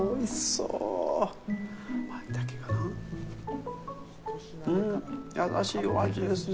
うん、優しいお味ですね。